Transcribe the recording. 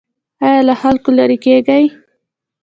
ایا له خلکو لرې کیږئ؟